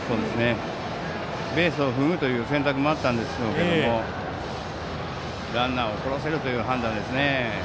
ベースを踏むという選択もあったんでしょうけどランナーを殺せるという判断ですね。